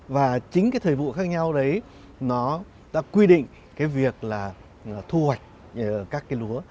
và chính cái thời vụ khác nhau đấy nó đã quy định cái việc là thu hoạch các cái lúa